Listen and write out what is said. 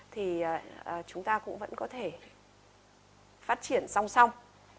thì chúng ta cũng vẫn có thể phát triển song song